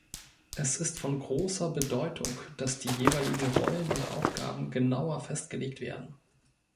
Es ist von großer Bedeutung, dass die jeweiligen Rollen und Aufgaben genauer festgelegt werden.